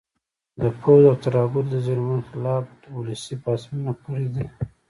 د پوځ او ترهګرو د ظلمونو خلاف ولسي پاڅونونه کړي دي